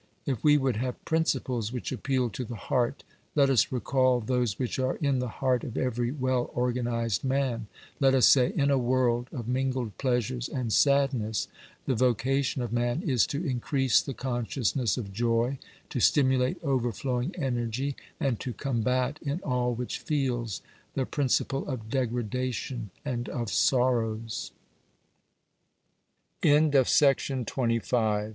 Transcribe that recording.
If we would have principles which appeal to the heart, let us recall those which are in the heart of every well organised man. Let us say : "In a world of mingled pleasures and sadness the vocation of man is to increase the consciousness of joy, to stimulate overflowing energy, and to combat, in all which feels, the principle of degradation and